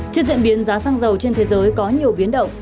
trước diễn biến giá xăng dầu trên thế giới có nhiều biến động